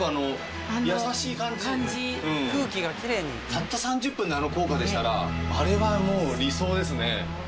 たった３０分であの効果でしたらあれはもう理想ですね。